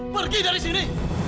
pergi dari sini